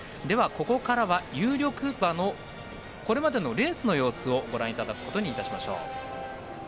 ここからは有力馬のこれまでのレースの様子をご覧いただきましょう。